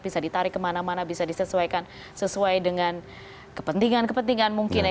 bisa ditarik kemana mana bisa disesuaikan sesuai dengan kepentingan kepentingan mungkin ya